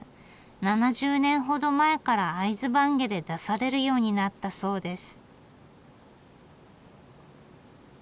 ７０年ほど前から会津坂下で出されるようになったそうです。